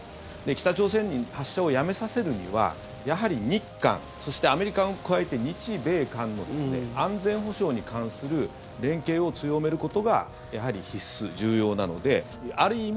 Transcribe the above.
北朝鮮に発射をやめさせるにはやはり日韓そしてアメリカを加えて日米韓の安全保障に関する連携を強めることがやはり必須、重要なのである意味